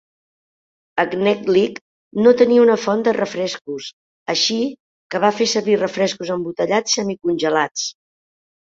Knedlik no tenia una font de refrescos, així que va servir refrescos embotellats semicongelats.